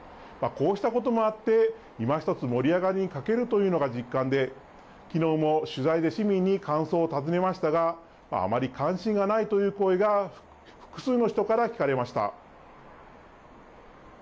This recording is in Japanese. こうしたこともあって、いまひとつ盛り上がりに欠けるというのが実感で、きのうも取材で市民に感想を尋ねましたが、あまり関心がないという声が、複数の人から聞かれました。